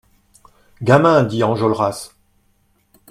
Gamin ! dit Enjolras.